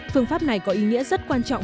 phương pháp này có ý nghĩa rất quan trọng